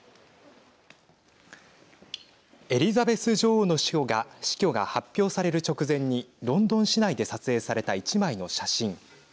エリザベス女王の死去が発表される直前にロンドン市内で撮影された１枚の写真。